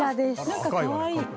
なんかかわいい。